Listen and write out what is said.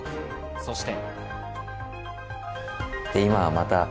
そして。